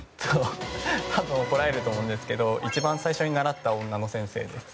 多分怒られると思うんですけど一番最初に習った女の先生です。